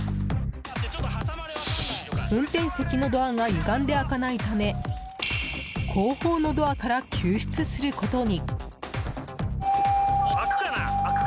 運転席のドアがゆがんで開かないため後方のドアから救出することに。